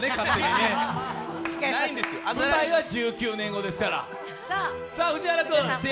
舞台は１９年後ですから。